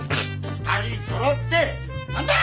２人そろって何だ？